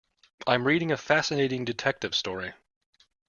I'm reading a fascinating detective story.